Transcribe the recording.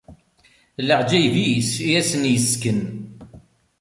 Leɛǧayeb-is i asen-issken.